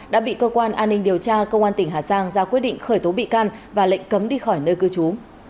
đã bị cơ quan an ninh điều tra công an tỉnh hà giang ra quyết định khởi tố bị can và lệnh cấm đi khỏi nơi cư trú